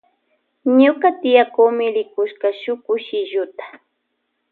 Ñuka tiyakuni rkushp shuk kushilluta.